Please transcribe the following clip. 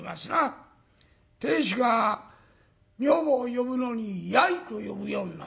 亭主が女房を呼ぶのに「やい」と呼ぶようになる。